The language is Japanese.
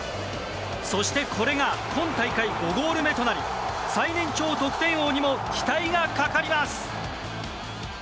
そして、これが今大会５ゴール目となり最年長得点王にも期待がかかります。